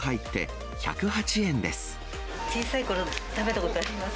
小さいころ、食べたことあります。